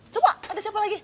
coba ada siapa lagi